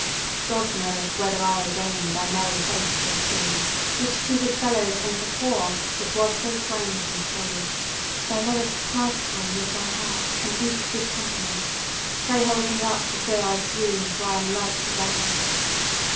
God knoweth whether I again Thy merry face shall see, Which to good fellows and the poor That was so frank and free. Thou lovedst pastime with thy heart, And eke good company; Pray hold me up for fear I swoon, For I am like to die.